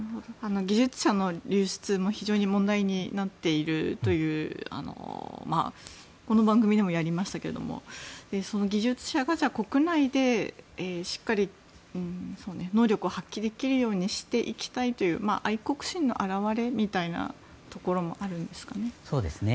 技術者の流出も非常に問題になっているとこの番組でもやりましたけどその技術者が国内でしっかり能力を発揮できるようにしていきたいという愛国心の表れみたいなところもあるんですかね。